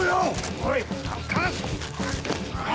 おい。